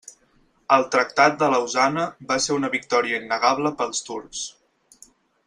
El Tractat de Lausana va ser una victòria innegable per als turcs.